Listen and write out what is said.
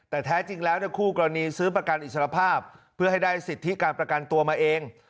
แต่แท้จริงแล้วคู่กรณีซื้อประกันอิสรภาพเพื่อให้ได้สิทธิการประกันตัวมาเอง